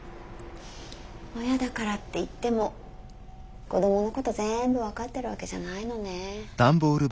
親だからっていっても子供のことぜんぶ分かってるわけじゃないのねえ。